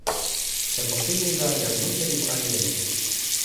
tenpo pini la jan mute li pali e ni.